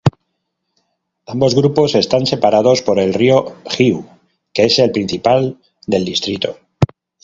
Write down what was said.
Ambos grupos están separados por el río Jiu, que es el principal del distrito.